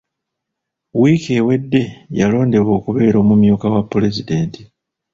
Wiiki ewedde yalondeddwa okubeera omumyuka wa Pulezidenti.